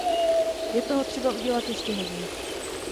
Je toho třeba udělat ještě hodně.